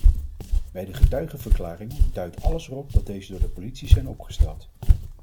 Bij de getuigenverklaringen duidt alles erop dat deze door de politie zijn opgesteld.